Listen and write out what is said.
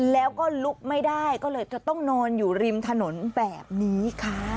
แล้วก็ลุกไม่ได้ก็เลยจะต้องนอนอยู่ริมถนนแบบนี้ค่ะ